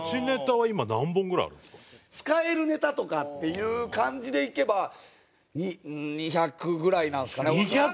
使えるネタとかっていう感じでいけば２００ぐらいなんですかね。